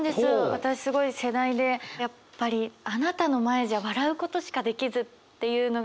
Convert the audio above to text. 私すごい世代でやっぱり「あなたの前じゃ笑う事しか出来ず」っていうのが何とも痛い気持ちで。